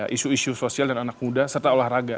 isu isu sosial dan anak muda serta olahraga